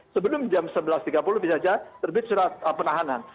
sebelum jam sebelas tiga puluh bisa saja terbit surat penahanan